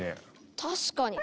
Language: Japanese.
確かに。